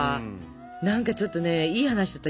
何かちょっとねいい話だった。